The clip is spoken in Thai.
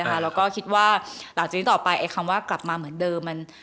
แล้วก็คิดว่าหลังจากนี้ต่อไปคำว่ากลับมาเหมือนเดิม